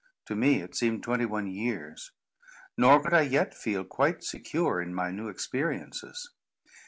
To me it seemed twenty one years. Nor could I yet feel quite secure in my new experiences.